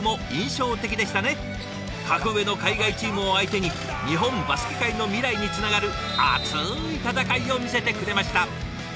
格上の海外チームを相手に日本バスケ界の未来につながる熱い戦いを見せてくれました。